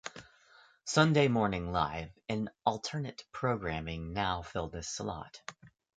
"Sunday Morning Live" and alternate programming now fill this slot.